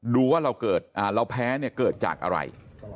ดูว่าเราแพ้เนี่ยเกิดจากอะไร